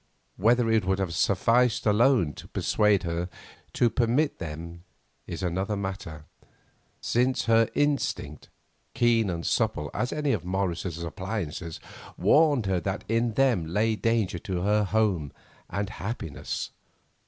Whether it would have sufficed alone to persuade her to permit them is another matter, since her instinct, keen and subtle as any of Morris's appliances, warned her that in them lay danger to her home and happiness.